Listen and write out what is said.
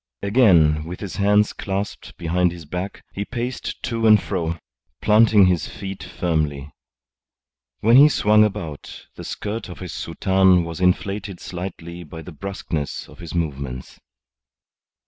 Again, with his hands clasped behind his back, he paced to and fro, planting his feet firmly. When he swung about, the skirt of his soutane was inflated slightly by the brusqueness of his movements.